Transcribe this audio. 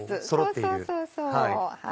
そうそうそうそう。